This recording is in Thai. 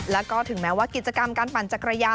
แล้วก็ถึงแม้ว่ากิจกรรมการปั่นจักรยาน